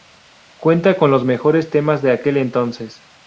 Cuenta con los mejores temas de aquel entonces.